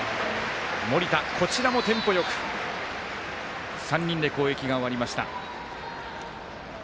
盛田、こちらもテンポよく３人で攻撃が終わりました。